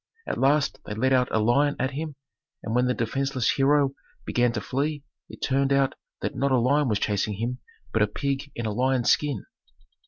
At last they let out a lion at him and when the defenceless hero began to flee it turned out that not a lion was chasing him, but a pig in a lion's skin.